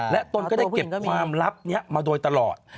และตนก็ได้เก็บความลับนี้มาโดยตลอด